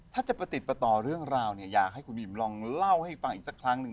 ถ้าจะประติดประต่อเรื่องราวเนี่ยอยากให้คุณอิ่มลองเล่าให้ฟังอีกสักครั้งหนึ่ง